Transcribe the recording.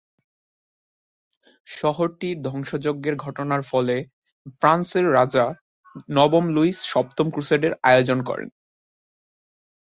শহরটির ধ্বংসযজ্ঞের ঘটনার ফলে ফ্রান্সের রাজা নবম লুইস সপ্তম ক্রুসেডের আয়োজন করেন।